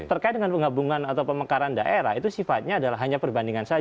terkait dengan penggabungan atau pemekaran daerah itu sifatnya adalah hanya perbandingan saja